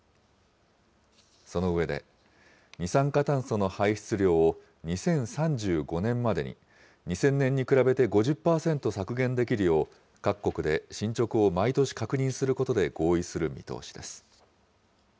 その上で、二酸化炭素の排出量を２０３５年までに、２０００年に比べて５０％削減できるよう各国で進捗を毎年確認することで合意する見通しです。